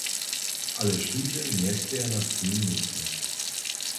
Ale wšudźe njesteja na prěnim městnje.